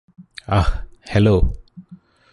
അഹ് hello